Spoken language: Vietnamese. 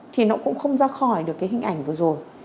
thì nó cũng không ra khỏi được cái hình ảnh vừa rồi